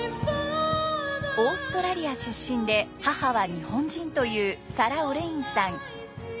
オーストラリア出身で母は日本人というサラ・オレインさん。